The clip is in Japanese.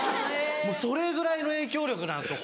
もうそれぐらいの影響力なんですよ